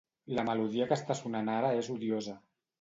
La melodia que està sonant ara és odiosa.